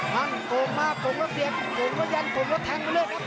มั่งโกงมาโกงแล้วเสียบโกงแล้วยันโกงแล้วแทงไว้เลย